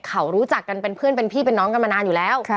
เขารู้จักกันเป็นเพื่อนเป็นพี่เป็นน้องกันมานานอยู่แล้ว